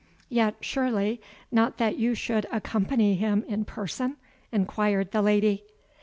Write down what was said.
"Yet, surely, not that you should accompany him in person?" enquired the lady.